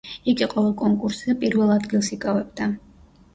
იგი ყოველ კონკურსზე პირველ ადგილს იკავებდა.